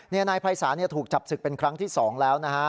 นายภัยศาลถูกจับศึกเป็นครั้งที่๒แล้วนะฮะ